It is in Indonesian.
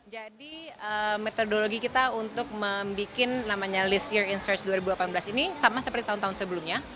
jadi metodologi kita untuk membuat namanya list year in search dua ribu delapan belas ini sama seperti tahun tahun sebelumnya